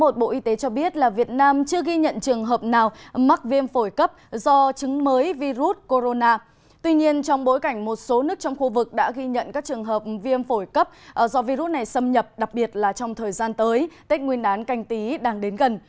nếu virus này xâm nhập đặc biệt là trong thời gian tới tết nguyên đán canh tí đang đến gần